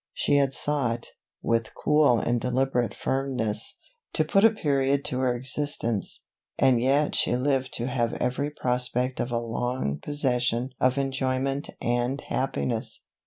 She had sought, with cool and deliberate firmness, to put a period to her existence, and yet she lived to have every prospect of a long possession of enjoyment and happiness.